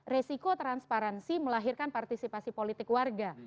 resiko transparansi melahirkan partisipasi politik warga